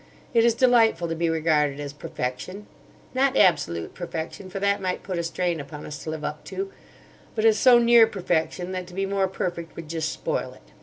It is delightful to be regarded as perfection—not absolute perfection, for that might put a strain upon us to live up to, but as so near perfection that to be more perfect would just spoil it.